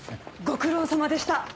ご苦労さまでした。